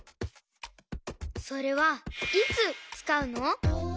それはいつつかうの？